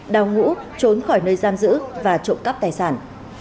đào ngũ trốn khỏi nơi giam giữ và trộm cắp tài sản